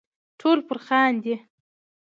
ټول پر خاندي .